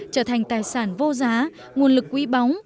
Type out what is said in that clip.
trở thành tài sản vô giá nguồn lực quý bóng